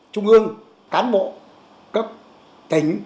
trung ương cán bộ cấp tỉnh